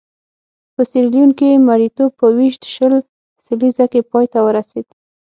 په سیریلیون کې مریتوب په ویشت شل لسیزه کې پای ته ورسېد.